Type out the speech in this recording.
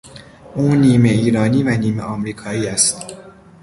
او نیمه ایرانی و نیمه امریکایی است.